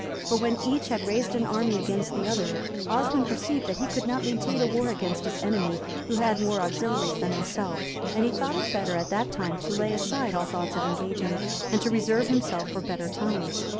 For when each had raised an army against the other, Oswin perceived that he could not maintain a war against his enemy who had more auxiliaries than himself, and he thought it better at that time to lay aside all thoughts of engaging, and to reserve himself for better times.